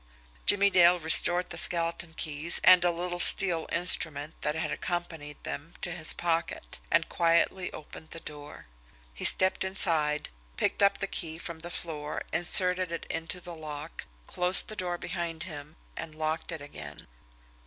Jimmie Dale restored the skeleton keys and a little steel instrument that accompanied them to his pocket and quietly opened the door. He stepped inside, picked up the key from the floor, inserted it in the lock, closed the door behind him, and locked it again.